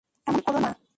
এমন করো না!